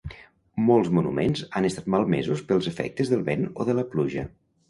Molts monuments han estat malmesos pels efectes del vent o de la pluja.